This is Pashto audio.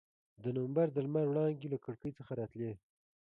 د نومبر د لمر وړانګې له کړکۍ څخه راتلې.